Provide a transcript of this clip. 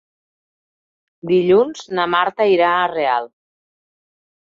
Dilluns na Marta irà a Real.